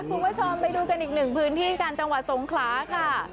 คุณผู้ชมไปดูกันอีกหนึ่งพื้นที่การจังหวัดสงขลาค่ะ